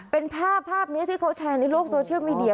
เป็นภาพภาพนี้ที่เขาแชร์ในโลกโซเชียลมีเดีย